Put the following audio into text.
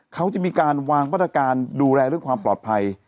เขาจะมีการวางมาตรการดูแลเรื่องความปลอดภัย